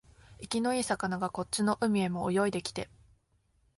生きのいい魚がこっちの海へも泳いできて、